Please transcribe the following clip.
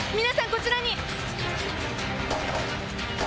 こちらに。